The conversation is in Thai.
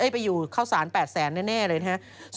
ไปอยู่เข้าสาร๘แสนแน่เลยนะครับ